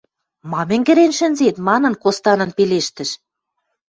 Мам ӹнгӹрен шӹнзет... – манын, костанын пелештӹш.